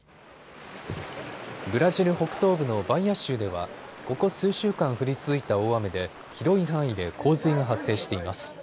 ブラジル北東部のバイア州ではここ数週間降り続いた大雨で広い範囲で洪水が発生しています。